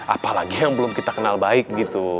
apalagi yang belum kita kenal baik gitu